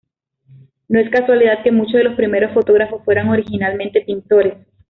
No es casualidad que muchos de los primeros fotógrafos fueran originalmente pintores.